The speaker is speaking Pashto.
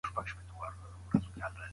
سياست پوهنه هم بايد وده وکړي.